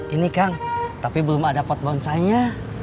ini kang tapi belum ada pot bonsainya